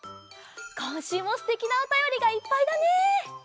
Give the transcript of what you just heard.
こんしゅうもすてきなおたよりがいっぱいだね！